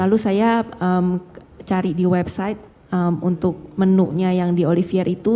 lalu saya cari di website untuk menunya yang di olivier itu